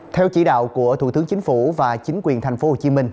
theo chỉ đạo của thủ tướng chính phủ và chính quyền tp hcm